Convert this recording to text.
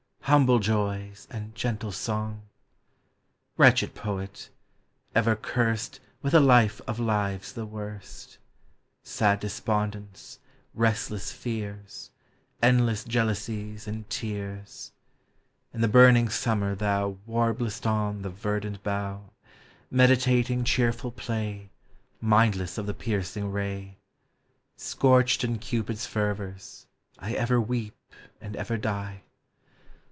Humble joys, and gentle song! Wretched poet ! ever curst With a life of lives the worst, Sad despondence, restless fears. Endless jealousies and tears. 340 POEMS OF NATURE. In the burning summer thou Warblest on the verdant bough, Meditating cheerful play, Mindless of the piercing ray; Scorched in Cupid's fervors, I Ever weep and ever die.